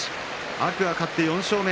天空海、勝って４勝目。